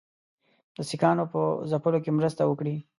د سیکهانو په ځپلو کې مرسته وکړي.